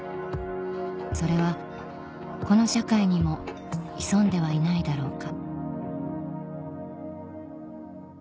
それはこの社会にも潜んではいないだろうか